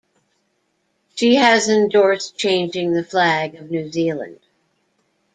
She has endorsed changing the Flag of New Zealand.